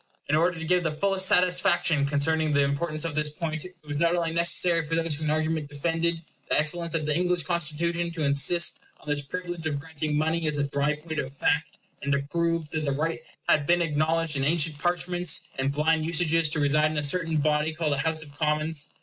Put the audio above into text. In order to give the fullest satisfaction concerning the importance of this point, it was not only necessary for those who in argument defended the excellence of the English Constitution to insist on this privilege of granting money as a dry point of fact, and to prove that the right had been acknowledged in ancient parchments and blind usages to reside in a certain body called a House of Commons.